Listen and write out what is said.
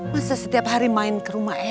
masa setiap hari main kerumah emeh